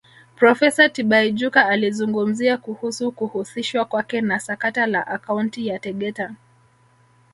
Profesa Tibaijuka alizungumzia kuhusu kuhusishwa kwake na sakata la Akaunti ya Tegeta